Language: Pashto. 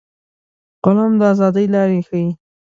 قلم د ازادۍ لارې ښيي